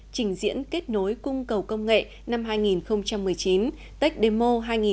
trình diễn kết nối cung cầu công nghệ năm hai nghìn một mươi chín tech demo hai nghìn hai mươi